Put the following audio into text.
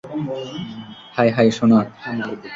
High, hi সোনা!